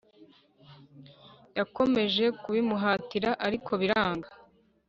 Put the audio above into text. yakomeje kubimuhatira ariko biranga